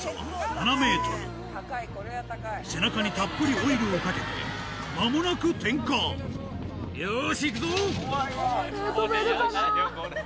背中にたっぷりオイルをかけて間もなく点火嫌だよこれ。